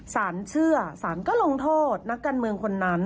สารเชื่อสารก็ลงโทษนักการเมืองคนนั้น